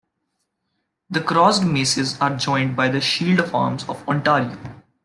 The crossed Maces are joined by the shield of arms of Ontario.